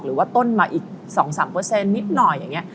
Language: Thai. หรือว่าต้นมาอีก๒๓นิดหน่อยอย่างนี้